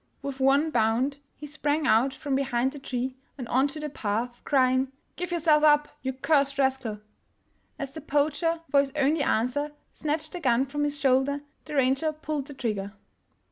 With one bound he sprang out from behind the tree and on to the path, crying, " Give yourself up, you cursed rascal! " As the poacher, for his only answer, snatched the gun from his shoulder, the ranger pulled the trigger.